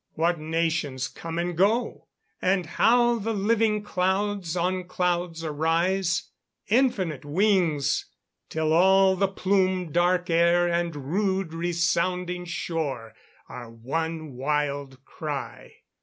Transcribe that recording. what nations come and go? And how the living clouds on clouds arise? Infinite wings! till all the plume dark air And rude resounding shore are one wild cry."